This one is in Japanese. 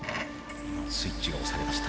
スイッチが押されました。